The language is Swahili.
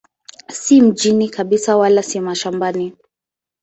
Si mjini kabisa wala si mashambani.